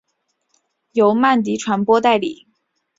由曼迪传播代理。